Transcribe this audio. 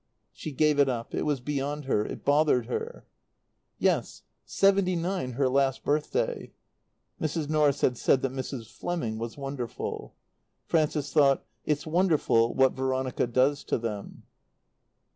She gave it up; it was beyond her; it bothered her. "Yes. Seventy nine her last birthday." Mrs. Norris had said that Mrs. Fleming was wonderful. Frances thought: "It's wonderful what Veronica does to them."